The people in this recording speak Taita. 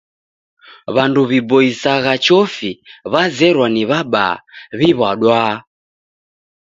W'andu w'iboisagha chofi w'azerwa na w'abaa w'iw'wadwaa